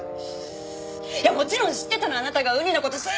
もちろん知ってたのあなたがウニの事すー